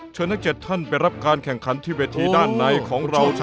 เชิญนักเจ็ดท่านไปรับการแข่งขันที่เวทีด้านในของเราด้วยครับ